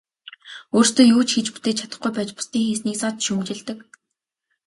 Өөрсдөө юу ч хийж бүтээж чадахгүй байж бусдын хийснийг зад шүүмжилдэг.